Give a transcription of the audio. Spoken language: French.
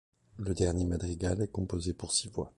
Le dernier madrigal ' est composé pour six voix.